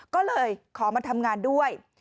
ก็เลยขอมาทำงานด้วย